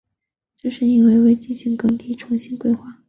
这是因为未进行耕地重划就进行开发所造成的现象。